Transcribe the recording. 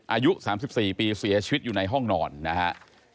อายุ๓๔ปีเสียชีวิตอยู่ในห้องนอนนะฮะ